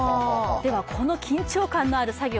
この緊張感のある作業